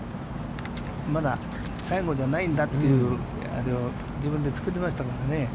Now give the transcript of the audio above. まだ最後じゃないんだというあれを、自分で作りましたからね。